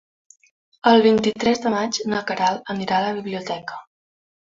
El vint-i-tres de maig na Queralt anirà a la biblioteca.